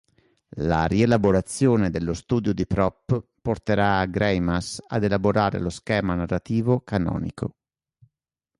La rielaborazione dello studio di Propp porterà Greimas ad elaborare lo schema narrativo canonico.